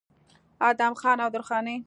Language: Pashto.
ادم خان او درخانۍ